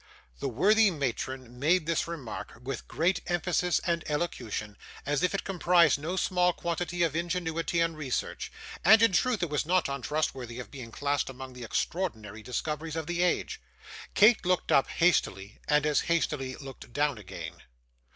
The worthy matron made this remark with great emphasis and elocution, as if it comprised no small quantity of ingenuity and research; and, in truth, it was not unworthy of being classed among the extraordinary discoveries of the age. Kate looked up hastily, and as hastily looked down again.